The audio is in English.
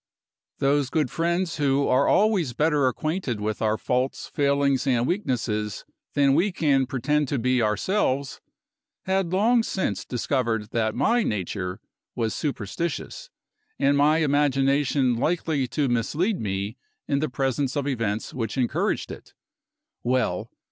Those good friends who are always better acquainted with our faults, failings, and weaknesses than we can pretend to be ourselves, had long since discovered that my nature was superstitious, and my imagination likely to mislead me in the presence of events which encouraged it. Well!